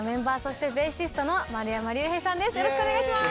よろしくお願いします。